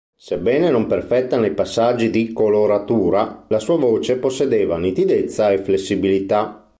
Sebbene non perfetta nei passaggi di coloratura, la sua voce possedeva nitidezza e flessibilità.